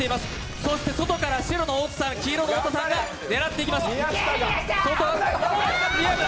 そして外から白の大津さん、黄色の太田さんが狙っていきます。